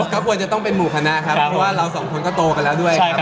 ก็ควรจะต้องเป็นหมู่คณะครับเพราะว่าเราสองคนก็โตกันแล้วด้วยครับ